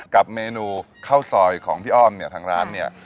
กับเมนูข้าวซอยของพี่อ้อมเนี่ยทางร้านเนี่ย